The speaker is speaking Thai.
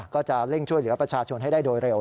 ก็จะเร่งช่วยเหลือประชาชนให้ได้โดยเร็ว